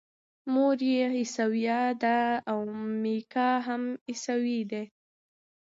مور یې عیسویه ده او میکا هم عیسوی دی.